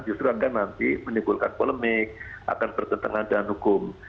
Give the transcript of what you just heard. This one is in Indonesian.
justru akan nanti menimbulkan polemik akan bertentangan dengan hukum